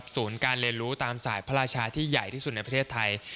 ศูนย์การเรียนรู้ตามสายพระราชาที่ใหญ่ที่สุดในประเทศไทย